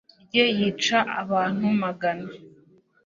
rye yica abantu magana